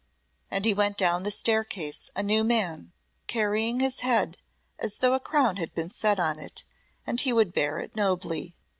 And he went down the staircase a new man, carrying his head as though a crown had been set on it and he would bear it nobly.